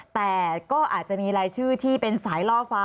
แต่ก็อาจจะมีรายชื่อที่เป็นสายล่อฟ้า